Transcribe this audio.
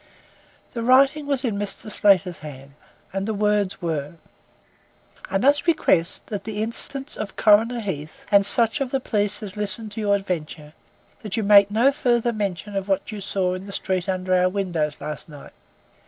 The writing was in Mr. Slater's hand, and the words were: "I must request, at the instance of Coroner Heath and such of the police as listened to your adventure, that you make no further mention of what you saw in the street under our windows last night.